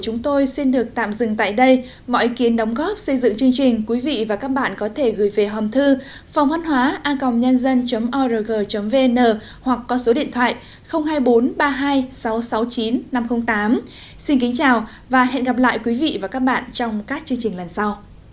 hẹn gặp lại các bạn trong những video tiếp theo